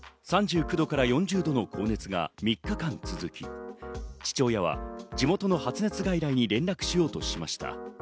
３９度から４０度の高熱が３日間続き、父親は地元の発熱外来に連絡しようとしました。